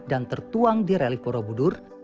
dan tertuang di relief borobudur